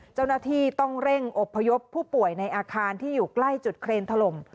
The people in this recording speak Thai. เจ้าหน้าที่ต้องเร่งอบพยพผู้ป่วยในอาคารที่อยู่ใกล้จุดเครนถล่ม